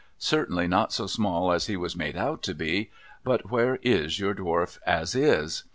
Certainly not so small as he was made out to be, but where is your Dwarf as is